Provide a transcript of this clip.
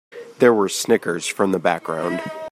There were snickers from the background.